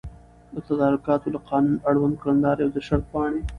د تدارکاتو له قانون، اړوند کړنلاري او د شرطپاڼي